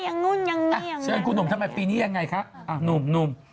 อย่างนู้นอย่างนี้อย่างนี้ทำไมปีนี้ยังไงคะอ่ะหนุ่มหนุ่ม